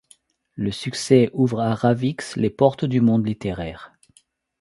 Ce succès ouvre à Rawicz les portes du monde littéraire.